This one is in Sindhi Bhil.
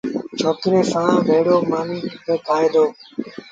ڇوڪري سآݩ ڀيڙو مآݩيٚ با کآئي دو۔